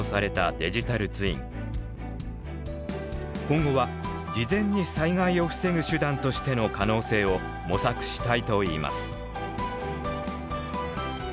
今後は事前に災害を防ぐ手段としての可能性を模索したいといいます。